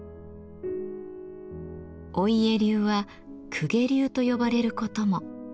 御家流は「公家流」と呼ばれることも。